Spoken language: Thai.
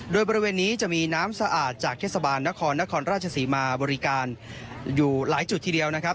โดยบริเวณนี้จะมีน้ำสะอาดจากเทศบาลนครนครราชศรีมาบริการอยู่หลายจุดทีเดียวนะครับ